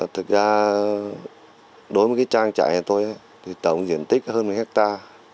thực ra đối với cái trang trại này tôi thì tổng diện tích hơn một hectare